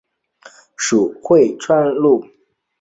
属会川路。